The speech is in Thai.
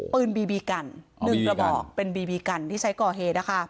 ปืนบีบีกัน๑ระบอกเป็นบีบีกันที่ใช้ก่อเหนะครับ